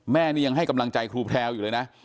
แม่นี่ยังให้กำลังใจครูแพลวอยู่เลยนะ